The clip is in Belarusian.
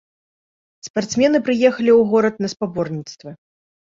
Спартсмены прыехалі ў горад на спаборніцтвы.